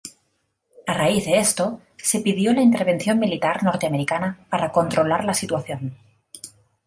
A raíz de esto, se pidió la intervención militar norteamericana para controlar la situación.